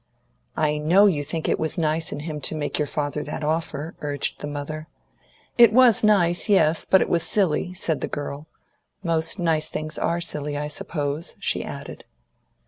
"I know you think it was nice in him to make your father that offer," urged the mother. "It was nice, yes; but it was silly," said the girl. "Most nice things are silly, I suppose," she added.